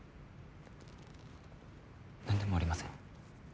なんでもありません。